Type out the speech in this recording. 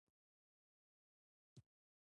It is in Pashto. واوره د افغانستان د بڼوالۍ یوه مهمه برخه ده.